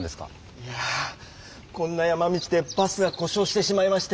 いやこんな山道でバスがこしょうしてしまいまして。